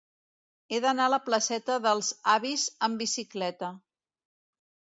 He d'anar a la placeta dels Avis amb bicicleta.